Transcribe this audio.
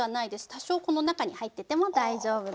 多少この中に入ってても大丈夫です。